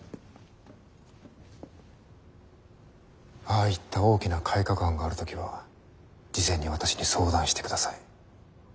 ああいった大きな改革案がある時は事前に私に相談してください。